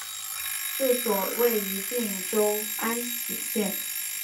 治所位于定州安喜县。